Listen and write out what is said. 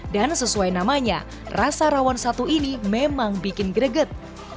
dan sesuai namanya rasa rawon satu ini memang bikin greget